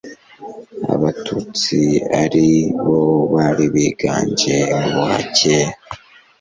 abatutsi ari bo bari biganje mu buhake